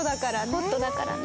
ホットだからね。